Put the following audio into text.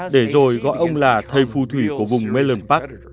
để rồi gọi ông là thầy phu thủy của vùng mellon park